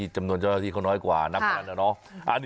จำนวนเจ้าหน้าที่เขาน้อยกว่านักพนันนะเนาะ